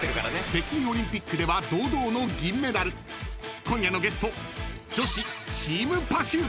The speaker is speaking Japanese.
［北京オリンピックでは堂々の銀メダル］［今夜のゲスト］